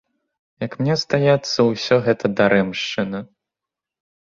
Як мне здаецца, усё гэта дарэмшчына.